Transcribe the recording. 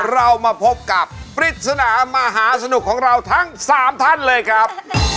เรามาพบกับปริศนามหาสนุกของเราทั้ง๓ท่านเลยครับ